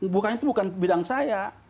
bukan itu bukan bidang saya